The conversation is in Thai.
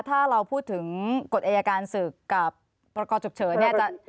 ถ้าเราพูดถึงกฎไอ้ยาการศึกษ์กับประกอบจบเฉิน